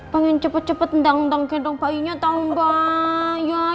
pengen cepet cepet ngedang ngedang bayinya tau mbak